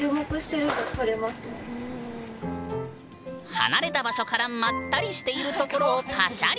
離れた場所からまったりしているところをパシャリ！